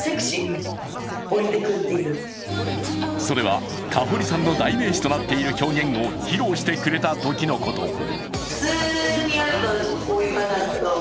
それは香保里さんの代名詞となっているダンスを披露してくれたときのこと。